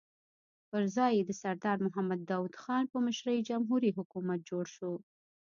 پر ځای یې د سردار محمد داؤد خان په مشرۍ جمهوري حکومت جوړ شو.